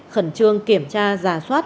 khẩn trương kiểm tra giả soát